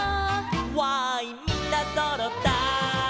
「わーいみんなそろったい」